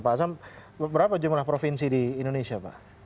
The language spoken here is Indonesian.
pak sam berapa jumlah provinsi di indonesia pak